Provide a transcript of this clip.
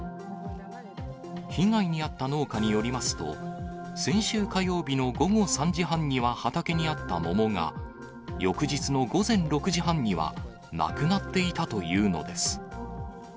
被害に遭った農家によりますと、先週火曜日の午後３時半には畑にあった桃が、翌日の午前６時半には、なくなっていたというのです。